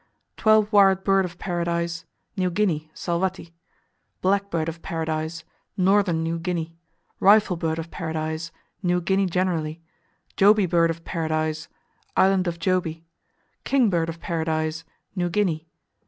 Twelve Wired Bird of Paradise New Guinea, Salwatti. Black Bird of Paradise Northern New Guinea. Rifle Bird of Paradise New Guinea generally. Jobi Bird of Paradise Island of Jobi. King Bird of Paradise New Guinea.